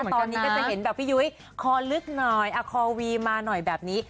ตอนนี้ก็จะเห็นแบบพี่ยุ้ยคอลึกหน่อยคอวีมาหน่อยแบบนี้